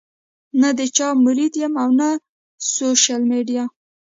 نۀ د چا مريد يم او نۀ سوشل ميډيا